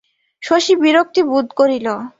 শশী বিরক্তি বোধ করিল।